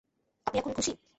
আপনি এখন খুশী?